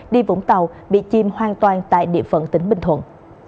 đi vũng tàu bị chìm hoàn toàn tại địa phận tỉnh bình thuận